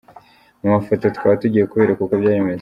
Mu mafoto tukaba tugiye kubereka uko byari bimeze.